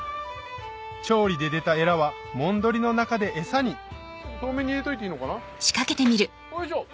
調理で出たエラはもんどりの中で餌に遠めに入れといていいのかなおいしょ！